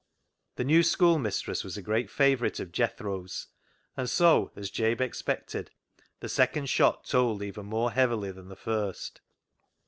The new schoolmistress was a great favourite of Jethro's, and so, as Jabe expected, the second shot told even more heavily than the first.